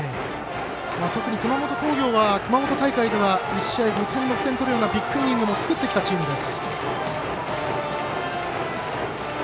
特に熊本工業は熊本大会では１試合５点、６点取るようなビッグイニングを作ってきたチームです。